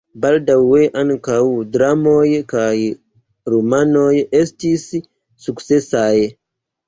Baldaŭe ankaŭ dramoj kaj romanoj estis sukcesaj.